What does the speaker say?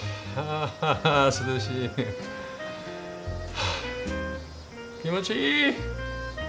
はあ気持ちいい！